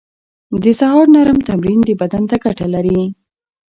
د سهار نرم تمرين بدن ته ګټه لري.